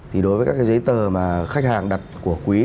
thì đối với các cái giấy tờ mà khách hàng đặt của quý